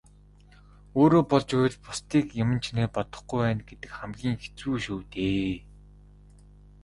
Өөрөө болж байвал бусдыг юман чинээ бодохгүй байна гэдэг хамгийн хэцүү шүү дээ.